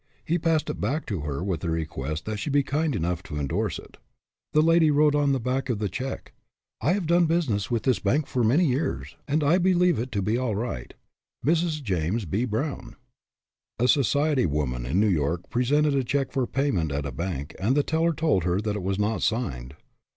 He passed it back to her with the request that she be kind enough to indorse it. The lady wrote on the back of the check, " I have done business with this bank for many years, and 182 HAD MONEY BUT LOST IT I believe it to be all right. Mrs. James B. Brown." A society woman in "New York presented a check for payment at a bank, and the teller told her that it was not signed.